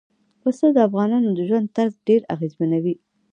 پسه د افغانانو د ژوند طرز ډېر اغېزمنوي.